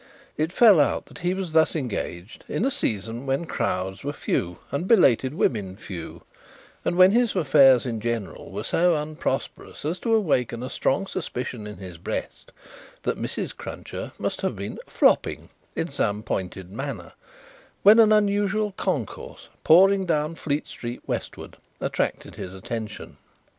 It fell out that he was thus engaged in a season when crowds were few, and belated women few, and when his affairs in general were so unprosperous as to awaken a strong suspicion in his breast that Mrs. Cruncher must have been "flopping" in some pointed manner, when an unusual concourse pouring down Fleet street westward, attracted his attention.